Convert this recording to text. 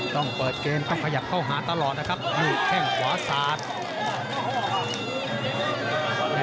ต้องเปิดเกณฑ์ต้องขยับเข้าหาตะหรอกนะครับมีแท่งขวาสาบ